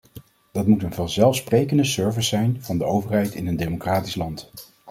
Dat moet een vanzelfsprekende service zijn van de overheid in een democratisch land.